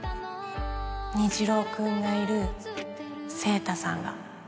虹朗君がいる晴太さんが